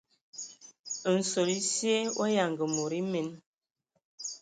Nsol esye wa yanga mod emen.